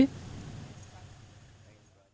cảm ơn các bạn đã theo dõi và hẹn gặp lại